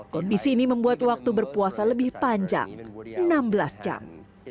kondisi ini membuat waktu berpuasa lebih panjang enam belas jam